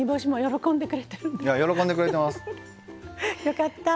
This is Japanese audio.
よかった。